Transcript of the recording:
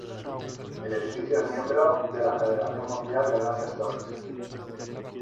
El edificio es miembro de la Federación Mundial de Grandes Torres.